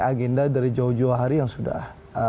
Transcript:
agenda dari jauh jauh hari yang sudah